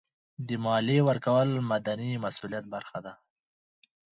د مالیې ورکول د مدني مسؤلیت برخه ده.